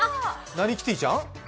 何キティちゃん？